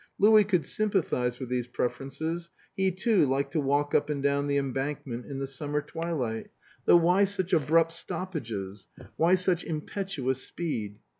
Louis could sympathize with these preferences; he, too, liked to walk up and down the Embankment in the summer twilight though why such abrupt stoppages? Why such impetuous speed?